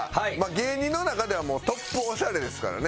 芸人の中ではトップオシャレですからね。